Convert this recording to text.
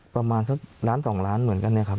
ประมาณสักล้านสองล้านเหมือนกันเนี่ยครับ